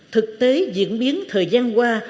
thực tế diễn biến thời gian qua